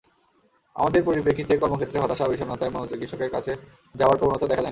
আমাদের পরিপ্রেক্ষিতে কর্মক্ষেত্রে হতাশা-বিষণ্নতায় মনোচিকিৎসকের কাছে যাওয়ার প্রবণতা দেখা যায় না।